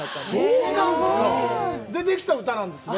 それでできた歌なんですね。